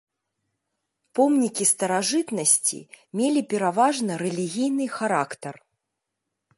Помнікі старажытнасці мелі пераважна рэлігійны характар.